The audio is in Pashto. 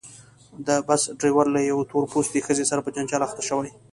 د بس ډریور له یوې تور پوستې ښځې سره په جنجال اخته شوی.